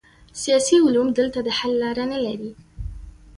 سیاسي علوم دلته د حل لاره نلري.